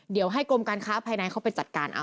เดี๋ยวให้กรมการค้าภายในเขาไปจัดการเอา